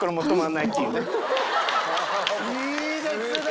いいですね！